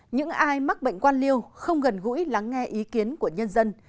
những ai mắc bệnh quan liêu không gần gũi lắng nghe ý kiến của nhân dân